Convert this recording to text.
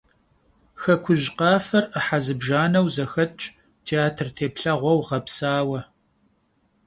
«Xekuj khafer» 'ıhe zıbjjaneu zexetş, têatr têplheğueu ğepsaue.